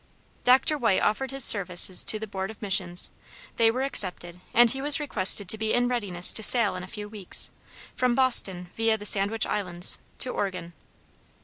Dr. White offered his services to the Board of Missions, they were accepted, and he was requested to be in readiness to sail in a few weeks, from Boston via the Sandwich Islands, to Oregon.